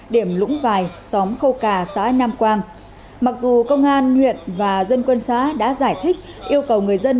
điểm lũng vài xóm khâu cà xã nam quang mặc dù công an huyện và dân quân xã đã giải thích yêu cầu người dân